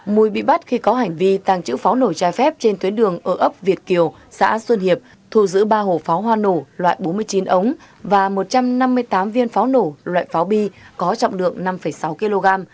mùi bị bắt khi có hành vi tàng trữ pháo nổi trái phép trên tuyến đường ở ấp việt kiều xã xuân hiệp thù giữ ba hộp pháo hoa nổ loại bốn mươi chín ống và một trăm năm mươi tám viên pháo nổ loại pháo bi có trọng lượng năm sáu kg